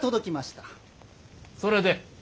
それで？